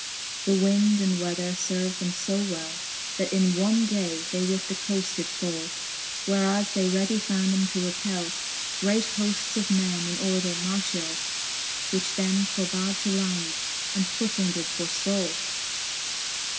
The winde and weather lerved them (o well, That in one day they with the coaft did fall ; Whereas they readie found them to repell Great hoftes of men in order martiall, Which them forbad to land^, and footing did forftalL V.